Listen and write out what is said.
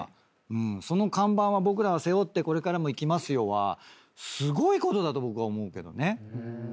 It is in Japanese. その看板は僕らが背負ってこれからもいきますよはすごいことだと僕は思うけどね。